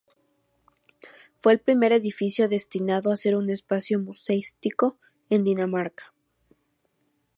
Fue el primer edificio destinado a ser un espacio museístico en Dinamarca.